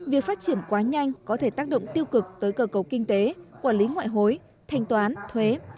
việc phát triển quá nhanh có thể tác động tiêu cực tới cơ cầu kinh tế quản lý ngoại hối thanh toán thuế